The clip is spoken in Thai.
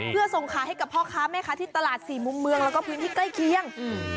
เพื่อส่งขายให้กับพ่อค้าแม่ค้าที่ตลาดสี่มุมเมืองแล้วก็พื้นที่ใกล้เคียงอืม